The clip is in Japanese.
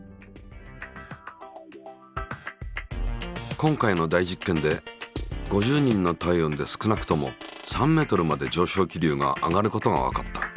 今回の大実験で５０人の体温で少なくとも３ｍまで上昇気流が上がることがわかった。